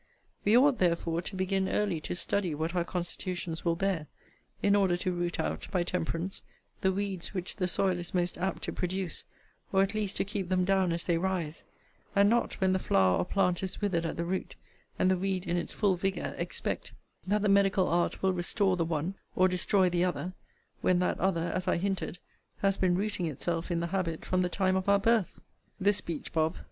We ought, therefore, to begin early to study what our constitutions will bear, in order to root out, by temperance, the weeds which the soil is most apt to produce; or, at least, to keep them down as they rise; and not, when the flower or plant is withered at the root, and the weed in its full vigour, expect, that the medical art will restore the one, or destroy the other; when that other, as I hinted, has been rooting itself in the habit from the time of our birth. This speech, Bob.